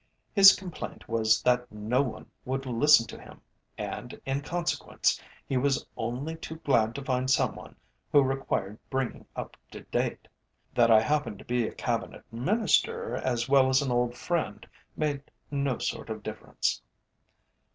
His complaint was that no one would listen to him, and, in consequence, he was only too glad to find some one who required bringing up to date. That I happened to be a Cabinet Minister as well as an old friend made no sort of difference.